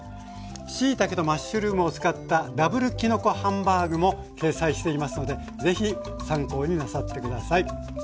しいたけとマッシュルームを使ったＷきのこハンバーグも掲載していますのでぜひ参考になさって下さい。